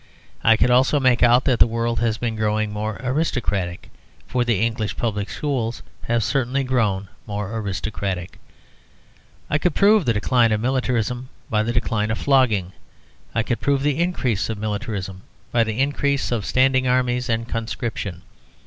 I could also make out that the world has been growing more aristocratic, for the English Public Schools have certainly grown more aristocratic I could prove the decline of militarism by the decline of flogging; I could prove the increase of militarism by the increase of standing armies and conscription.